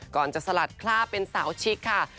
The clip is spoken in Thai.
ก่อนจะสลัดคลาบเป็นสาวชิคค่ะ